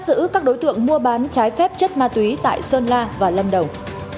liên tiếp bắt giữ các đối tượng mua bán trái phép chất ma túy tại sơn la và lâm đồng